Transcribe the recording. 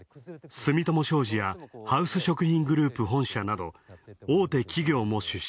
住友商事やハウス食品本社など大手企業も出資。